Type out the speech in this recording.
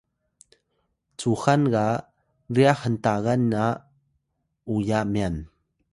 cuxan ga ryax hntagan na uya myan